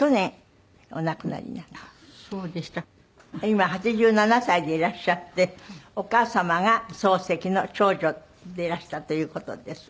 今８７歳でいらっしゃってお母様が漱石の長女でいらしたという事です。